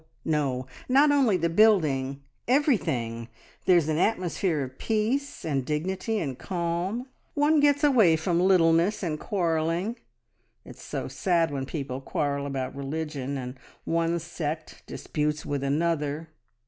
No! Not only the building everything! There's an atmosphere of peace, and dignity, and calm. One gets away from littleness and quarrelling. It's so sad when people quarrel about religion, and one sect disputes with another..."